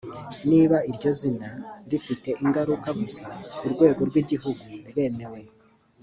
niba iryo zina rifite ingaruka gusa ku rwego rwi gihugu riremewe.